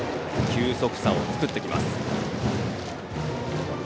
球速差を作ってきます。